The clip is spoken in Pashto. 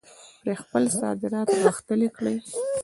پرې خپل صادرات غښتلي کړي.